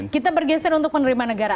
kita bergeser untuk menerima negara